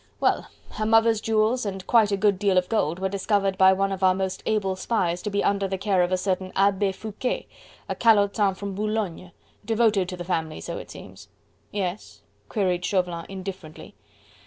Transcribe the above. Well! her mother's jewels and quite a good deal of gold were discovered by one of our most able spies to be under the care of a certain Abbe Foucquet, a calotin from Boulogne devoted to the family, so it seems." "Yes?" queried Chauvelin indifferently.